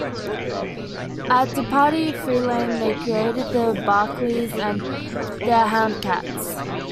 At Depatie-Freleng, they created "The Barkleys" and "The Houndcats".